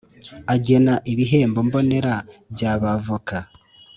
agena ibihembo mbonera bya Abavoka